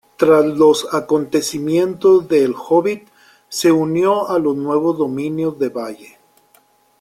Tras los acontecimientos de "El hobbit", se unió a los nuevos dominios de Valle.